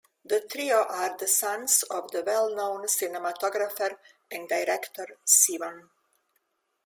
The trio are the sons of the well known cinematographer and director Sivan.